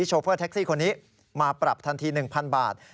โชเฟอร์แท็กซี่คนนี้มาปรับทันที๑๐๐บาท